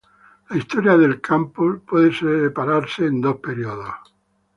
La historia del campo puede ser separada en dos períodos.